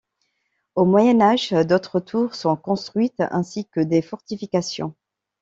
Au Moyen Âge, d'autres tours sont construites ainsi que des fortifications.